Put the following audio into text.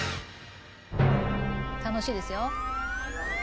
楽しいですよ。